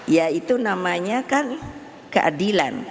ya itu namanya kan keadilan